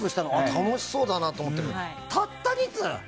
楽しそうだなと思ったのにたった２通？